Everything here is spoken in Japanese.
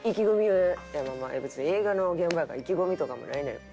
「別に映画の現場やから意気込みとかもないねん」。